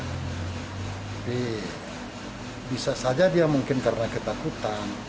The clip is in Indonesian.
bisa saja dia mungkin karena ketakutan